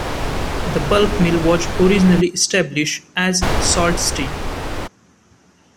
The pulp mill was originally established as the Sault Ste.